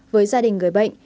với gia đình người bệnh